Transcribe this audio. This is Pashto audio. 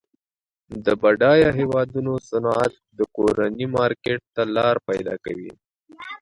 د بډایه هیوادونو صنعت د کورني مارکیټ ته لار پیداکوي.